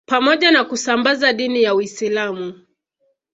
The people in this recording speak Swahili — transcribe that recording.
Pamoja na kusambaza dini ya Uislamu